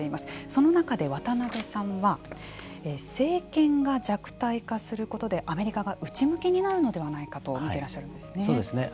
その中で渡辺さんは政権が弱体化することでアメリカが内向きになるのではないかとそうですね